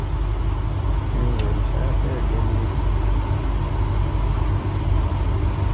Yuba yesɛa targa n YouTube.